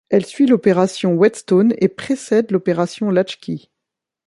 Elle suit l'opération Whetstone et précède l'opération Latchkey.